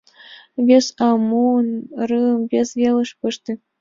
Вес а-м муын, р-ым вес велыш пыште.